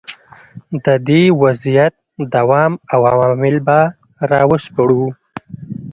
د دې وضعیت دوام او عوامل به را وسپړو.